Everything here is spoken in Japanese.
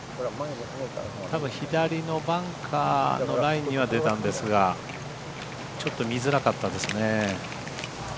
たぶん左のバンカーのラインには出たんですがちょっと見づらかったですね。